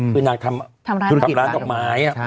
คือนางทำธุรกิจขาทำร้านดอกไม้